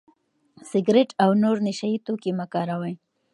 سګرټ او نور نشه يي توکي مه کاروئ.